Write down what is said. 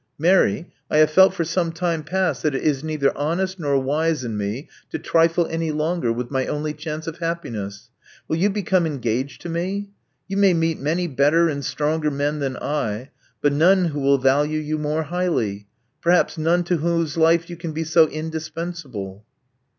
Mary: I have felt for some time past that it is neither honest nor wise in me to trifle any longer with my only chance of happiness. Will you become engaged to me? You may meet many better and stronger men than I, but none who will value you more highly — perhaps none to whose life you can be so indispensable."